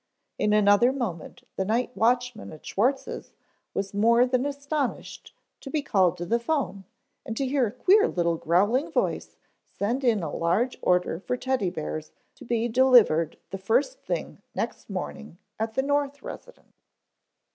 In another moment the night watchman at Schwartz's was more than astonished to be called to the phone and to hear a queer little growling voice send in a large order for Teddy bears to be delivered the first thing next morning at the North residence.